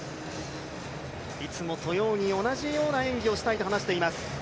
いつもと同じような演技をしたいと話しています。